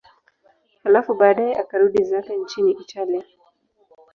Halafu baadaye akarudi zake nchini Italia.